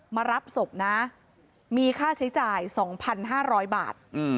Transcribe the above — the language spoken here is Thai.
มารับศพนะมีค่าใช้จ่ายสองพันห้าร้อยบาท